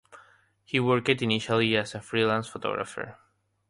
He worked initially as a freelance photographer.